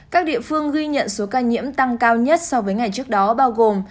các địa phương ghi nhận số ca nhiễm tăng cao nhất so với ngày trước đó bao gồm